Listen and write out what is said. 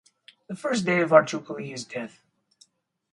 The first day of our jubilee is death.